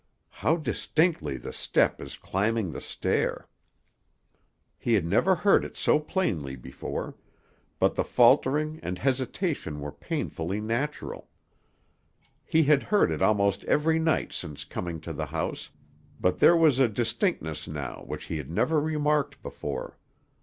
How distinctly the step is climbing the stair! He had never heard it so plainly before, but the faltering and hesitation were painfully natural; he had heard it almost every night since coming to the house, but there was a distinctness now which he had never remarked before.